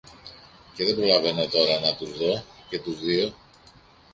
και δεν προλαβαίνω τώρα να τους δω και τους δύο